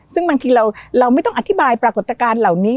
ซึ่งบางทีเราไม่ต้องอธิบายปรากฏการณ์เหล่านี้